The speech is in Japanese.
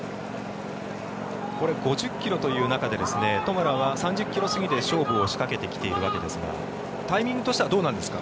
これ、５０ｋｍという中でトマラは３０ｋｍ過ぎで勝負を仕掛けてきているわけですがタイミングとしてはどうなんですか？